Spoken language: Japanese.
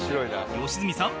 良純さん！